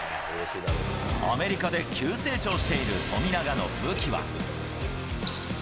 アメリカで急成長している富永の武器は。